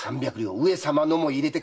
上様のも入れてか？